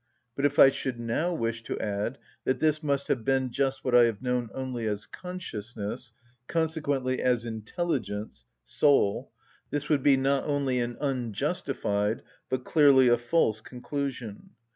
But if I should now wish to add that this must have been just what I have known only as consciousness, consequently as intelligence (soul), this would be not only an unjustified but clearly a false conclusion.